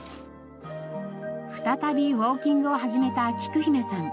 再びウォーキングを始めたきく姫さん。